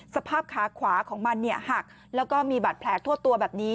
สภาพขาขวาของมันหักแล้วก็มีบาดแผลทั่วตัวแบบนี้